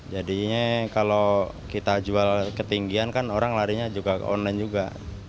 jadinya kalau kita jual ketinggian kan orang larinya juga ke online juga